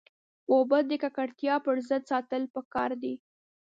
اوبه د ککړتیا پر ضد ساتل پکار دي.